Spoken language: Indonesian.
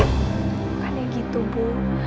bukannya gitu bu